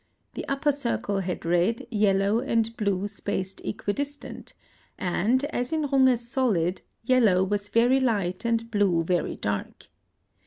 The upper circle had red, yellow, and blue spaced equidistant, and, as in Runge's solid, yellow was very light and blue very dark.